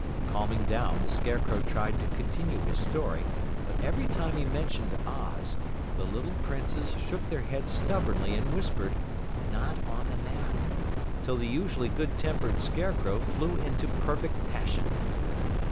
Calming down, the Scarecrow tried to continue his story, but every time he mentioned Oz, the little Princes shook their heads stubbornly and whispered, "Not on the map," till the usually good tempered Scarecrow flew into perfect passion.